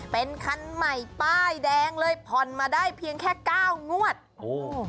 เป็นคันใหม่ป้ายแดงเลยผ่อนมาได้เพียงแค่เก้างวดโอ้